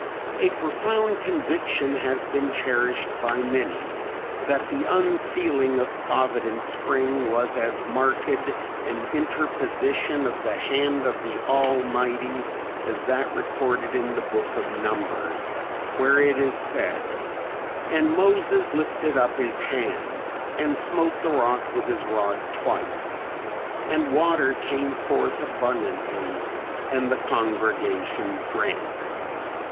A profound conviction has been cherished by many that the unsealing of Providence Spring was as marked an interposition of the hand of the Almighty as that recorded in the Book of Numbers where it is said, "And Moses lifted up his hand, and smote the rock with his rod twice; and water came forth abundantly and the congregation drank."